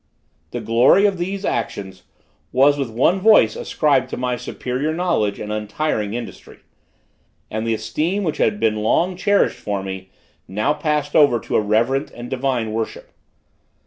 The glory of these actions was with one voice ascribed to my superior knowledge and untiring industry; and the esteem which had been long cherished for me, now passed over to a reverent and divine worship.